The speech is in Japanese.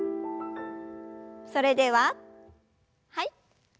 それでははい。